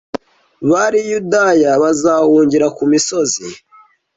bari i Yudaya bazahungire ku misozi